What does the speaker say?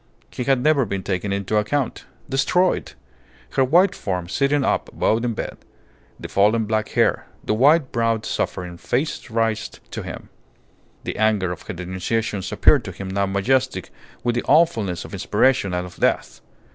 He had never been taken into account. Destroyed! Her white form sitting up bowed in bed, the falling black hair, the wide browed suffering face raised to him, the anger of her denunciations appeared to him now majestic with the awfulness of inspiration and of death.